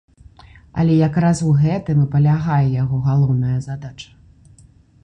Але якраз у гэтым і палягае яго галоўная задача!